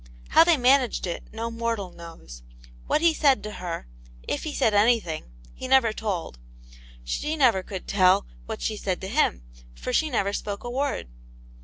How they managed it no mortal knows. What he said to her, if he said anything, he never told ; she never could tell what she said to him, for she never spoke a word.